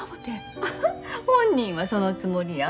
本人はそのつもりや。